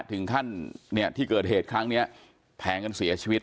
ถึงขั้นเนี่ยที่เกิดเหตุครั้งนี้แทงกันเสียชีวิต